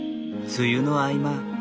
梅雨の合間。